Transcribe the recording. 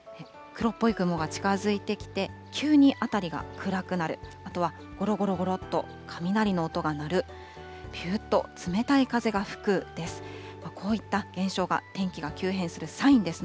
黒っぽい雲が近づいてきて、急にあたりが暗くなる、あとはごろごろごろっと、雷の音が鳴る、ぴゅーっと冷たい風が吹くです。